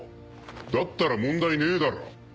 だったら問題ねえだろ。